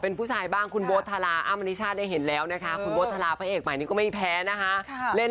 นางเอกลูกใหม่ที่แจ๊กต้องกล้าเปิดใจกล้าโชว์